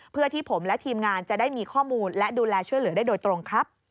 เพื่อที่ผมและทีมงานจะได้มีข้อมูลและดูแลช่วยเหลือได้โดยตรงครับ